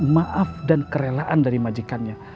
maaf dan kerelaan dari majikannya